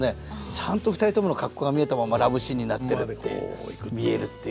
ちゃんと２人ともの格好が見えたままラブシーンになってるっていう見えるっていう。